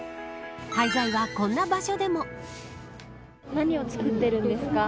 廃材はこんな場所でも。